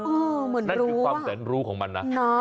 น่าทำงานแสนรู้ของมันนะ